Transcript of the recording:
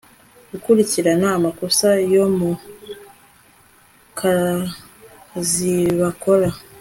gukurikirana amakosa yo mu kazibakora